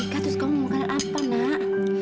tika terus kamu mau makan apa nak